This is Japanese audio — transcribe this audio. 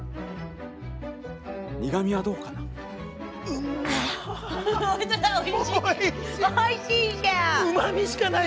苦みはどうかな？